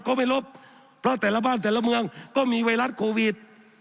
ก็ไม่ลบเพราะแต่ละบ้านแต่ละเมืองก็มีไวรัสโควิด